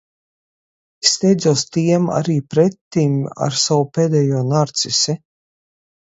Steidzos tiem arī pretim ar savu pēdējo narcisi.